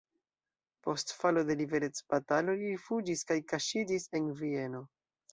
Post falo de la liberecbatalo li rifuĝis kaj kaŝiĝis en Vieno.